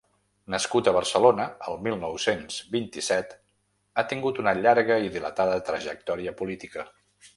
Nascut a Barcelona el mil nou-cents vint-i-set, ha tingut una llarga i dilatada trajectòria política.